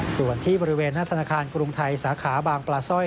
ส่วนที่บริเวณหน้าธนาคารกรุงไทยสาขาบางปลาสร้อย